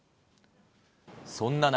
そんな中。